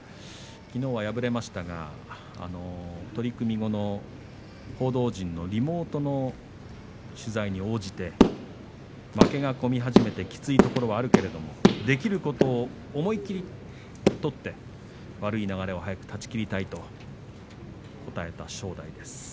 きのうは敗れましたが取組後の報道陣のリモートの取材に応じて負けがこみ始めてきついところもあるけれどもできることを思い切り取って悪い流れを早く断ち切りたいと答えた正代です。